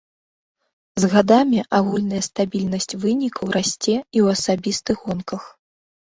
З гадамі агульная стабільнасць вынікаў расце і ў асабістых гонках.